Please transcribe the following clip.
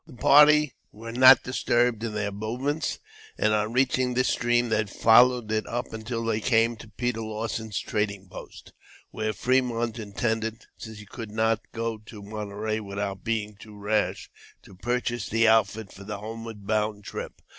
The party were not disturbed in their movements, and on reaching this stream they followed it up until they came to Peter Lawson's Trading Post, where Fremont intended, since he could not go to Monterey without being too rash, to purchase the outfit for the homeward bound trip.